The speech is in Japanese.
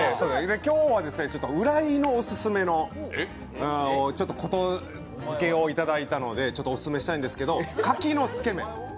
今日は浦井のオススメを言づけをいただいたのでオススメしたいんですけど牡蠣のつけ麺。